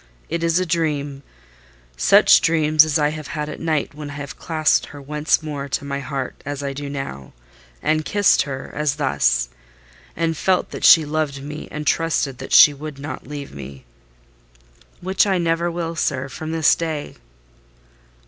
It is a dream; such dreams as I have had at night when I have clasped her once more to my heart, as I do now; and kissed her, as thus—and felt that she loved me, and trusted that she would not leave me." "Which I never will, sir, from this day."